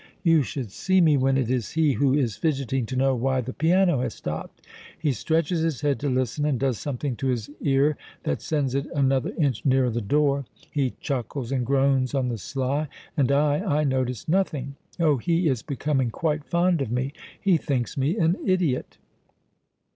You should see me when it is he who is fidgeting to know why the piano has stopped. He stretches his head to listen, and does something to his ear that sends it another inch nearer the door; he chuckles and groans on the sly; and I I notice nothing. Oh, he is becoming quite fond of me; he thinks me an idiot."